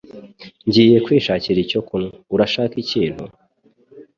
Ngiye kwishakira icyo kunywa. Urashaka ikintu?